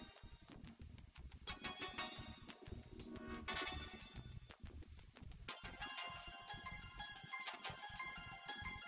kita juga lebih hati hati kalau rambun men hell